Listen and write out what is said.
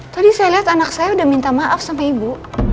tadi saya lihat anak saya udah minta maaf sama ibu